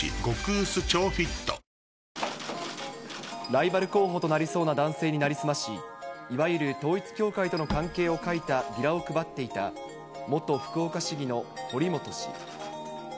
ライバル候補となりそうな男性に成り済まし、いわゆる統一教会との関係を書いたビラを配っていた、元福岡市議の堀本氏。